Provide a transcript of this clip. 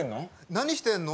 「何してるの？」